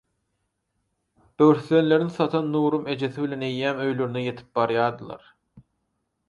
Böwürslenlerini satan Nurum ejesi bilen eýýäm öýlerine ýetip barýadylar.